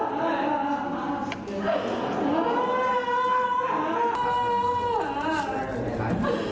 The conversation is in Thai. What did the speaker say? ว่า